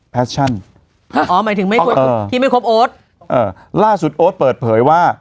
แชชั่นอ๋อหมายถึงไม่ครบที่ไม่ครบโอ๊ตเอ่อล่าสุดโอ๊ตเปิดเผยว่า